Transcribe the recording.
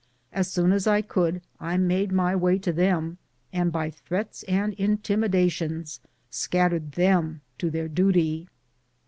As soon as I could, I made my way to them, and by threats and intimidations scat tered them to their duty